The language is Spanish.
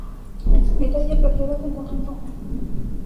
Medalla plateada con cordón rojo.